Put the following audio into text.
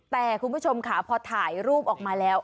แต่คุณผู้ชมค่ะพอถ่ายรูปออกมาแล้ว